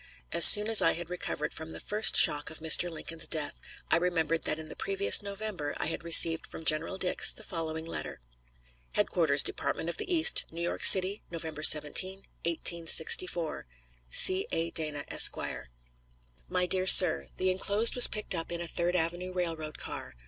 As soon as I had recovered from the first shock of Mr. Lincoln's death, I remembered that in the previous November I had received from General Dix the following letter: HEADQUARTERS, DEPARTMENT OF THE EAST, NEW YORK CITY, November 17, 1864. C. A. DANA, Esq. MY DEAR SIR: The inclosed was picked up in a Third Avenue railroad car.